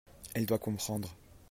elle doit comprendre.